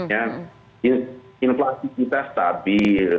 ya inflasi kita stabil